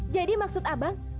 jadi maksud abang